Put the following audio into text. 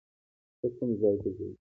ته کوم ځای ته ځې؟